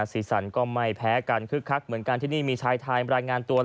ศรีษรรณก็ไม่แพ้กันขึ้นคลักเหมือนกันที่นี่มีชายทายรายงานตัวแล้ว